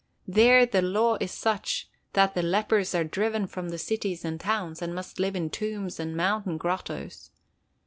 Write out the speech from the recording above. There the law is such that the lepers are driven from the cities and towns, and must live in tombs and mountain grottoes.